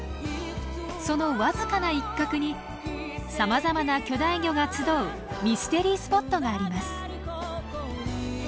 その僅かな一角にさまざまな巨大魚が集うミステリースポットがあります。